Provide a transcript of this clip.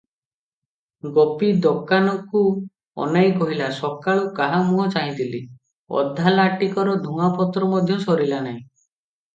ଗୋପୀ ଦୋକାନକୁ ଅନାଇ କହିଲା, "ସକାଳୁ କାହା ମୁହଁ ଚାହିଁଥିଲି, ଅଧାଲାଟିକର ଧୂଆଁପତ୍ର ମଧ୍ୟ ସରିଲା ନାହିଁ ।"